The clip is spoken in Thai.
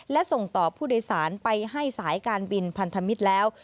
และส่งต่อผู้โดยสารไปให้สายการบินพันธมิตรแล้ว